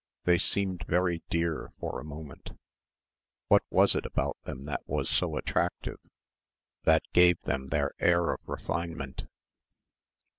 They seemed very dear for a moment ... what was it about them that was so attractive ... that gave them their air of "refinement"?...